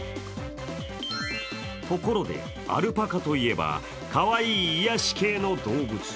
ところで、アルパカといえば、かわいい癒やし系の動物。